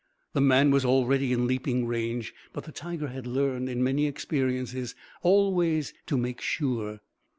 The man was already in leaping range; but the tiger had learned, in many experiences, always to make sure.